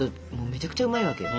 めちゃくちゃうまいわけよ。